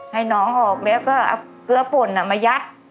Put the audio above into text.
ให้น้องออกแล้วก็เอาเกลือป่นมายัด